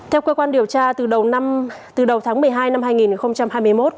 theo cơ quan điều tra từ đầu tháng một mươi hai năm hai nghìn hai mươi một